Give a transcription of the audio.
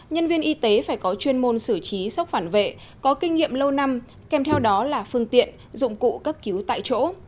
nhân viên y tế phải có chuyên môn xử trí sốc phản vệ có kinh nghiệm lâu năm kèm theo đó là phương tiện dụng cụ cấp cứu tại chỗ